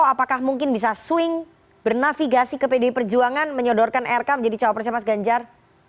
apakah mungkin bisa swing bernavigasi ke pdi perjuangan menyodorkan rk menjadi cawapresnya mas ganjar